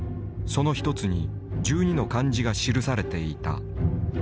その１つに１２の漢字が記されていた。